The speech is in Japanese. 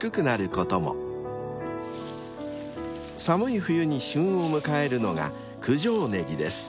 ［寒い冬に旬を迎えるのが］